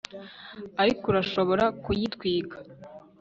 Ariko urashobora kuyitwika